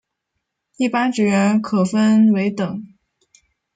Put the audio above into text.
一般职员可分为等。